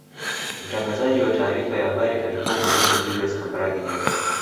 mtangazaji wa taarifa ya habari alikuwa mwalimu julius kambarage nyerere